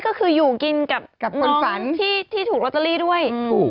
ก็คืออยู่กินกับคนฝันที่ถูกลอตเตอรี่ด้วยถูก